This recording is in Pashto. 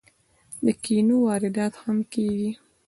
د کینو واردات هم کیږي.